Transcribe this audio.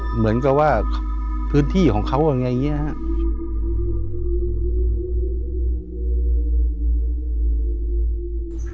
เหมือนกับว่าพื้นที่ของเขาอย่างนี้นะครับ